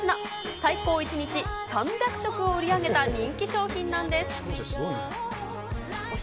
最高１日３００食を売り上げた人気商品なんです。